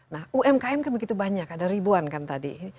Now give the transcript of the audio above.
nah umkm kan begitu banyak ada ribuan kan tadi